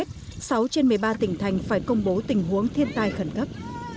sáu trên một mươi ba tỉnh thành phải công bố tình huống thiên tai khẩn cấp